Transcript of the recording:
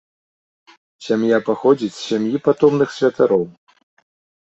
Сям'я паходзіць з сям'і патомных святароў.